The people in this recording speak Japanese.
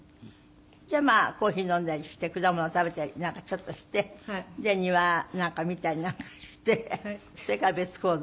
じゃあまあコーヒー飲んだりして果物食べたりなんかちょっとして庭なんか見たりなんかしてそれから別行動？